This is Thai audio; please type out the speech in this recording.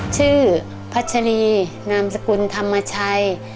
ชื่อพระเจริรามสกุลธรรมชัย